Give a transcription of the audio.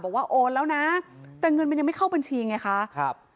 บอกว่าโอนแล้วนะแต่เงินมันยังไม่เข้าบัญชีไงคะ